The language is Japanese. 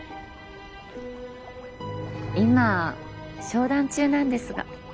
今商談中なんですが。